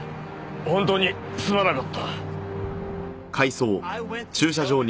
本当にすまなかった。